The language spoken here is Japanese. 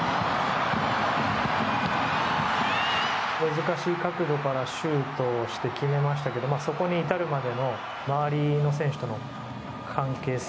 難しい角度からシュートして決めましたけどそこに至るまでの周りの選手との関係性